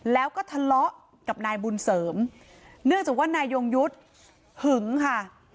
แล้วก็ทะเลาะกับนายบุญเสริมเนื่องจากว่านายยงยุทธ์หึงค่ะ